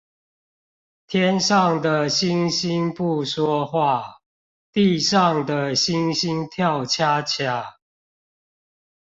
天上的星星不說話，地上的猩猩跳恰恰